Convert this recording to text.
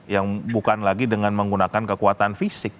yang bukan lagi dengan menggunakan kekuatan fisik